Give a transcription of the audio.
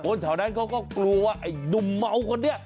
ภูมิเผ่านั้นเขาก็กลัวไอดุ่มเมาก็เนี่ย